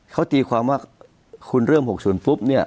เขาตีความว่าคุณเริ่ม๖๐ปุ๊บเนี่ย